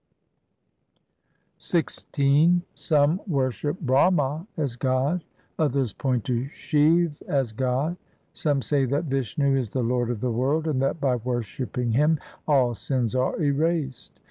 XVI Some worship Brahma as God, others point to Shiv as God ; Some say that Vishnu is the Lord of the world, and that by worshipping him all sins are erased.